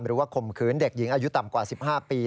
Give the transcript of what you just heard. หรือว่าขมคืนเด็กหญิงอายุต่ำกว่า๑๕ปี